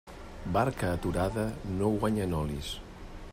Barca aturada no guanya nolis.